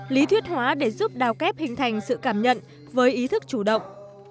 lý thuyết hóa để giúp đào kép hình thành sự cảm nhận với ý thức chủ động